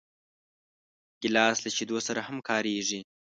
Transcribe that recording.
ګیلاس له شیدو سره هم کارېږي.